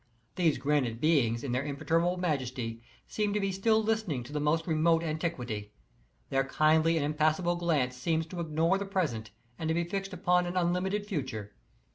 These granite beings, in their imperturbable majesty, seem to be still listening to the most remote antiquity. Their kindly and impassable glance seems to ignore the present and to be fixed upon an unlimited future.